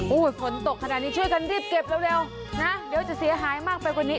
ฝนตกขนาดนี้ช่วยกันรีบเก็บเร็วนะเดี๋ยวจะเสียหายมากไปกว่านี้